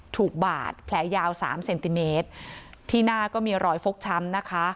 ถูกบาดแผลยาวสามเซนติเมตรที่หน้าก็มีรอยฟกช้ำนะคะ